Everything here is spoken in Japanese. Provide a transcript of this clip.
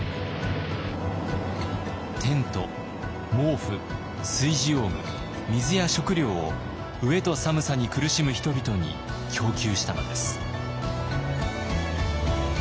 テント毛布炊事用具水や食料を飢えと寒さに苦しむ人々に供給したのです。